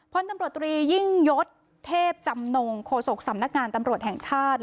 พลตำรวจตรียิ่งยศเทพจำนงโฆษกสำนักงานตำรวจแห่งชาติ